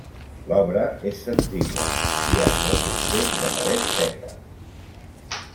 L'obra és senzilla, i hi ha trossos fets de paret seca.